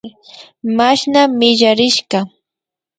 Mashna misharishka